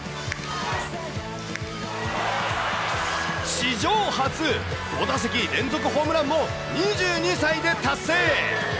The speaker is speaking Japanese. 史上初、５打席連続ホームランも２２歳で達成。